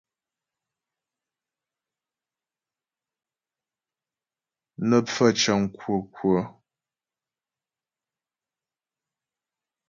Nə́ pfaə̂ cəŋ kwə́kwə́.